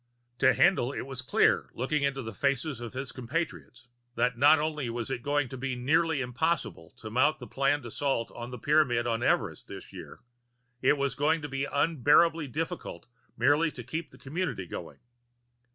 To Haendl, it was clear, looking into the faces of his compatriots, that not only was it going to be nearly impossible to mount the planned assault on the Pyramid on Everest this year, it was going to be unbearably difficult merely to keep the community going.